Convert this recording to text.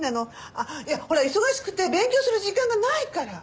あっいやほら忙しくて勉強する時間がないから！